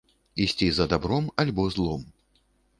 Ісці за дабром, альбо злом.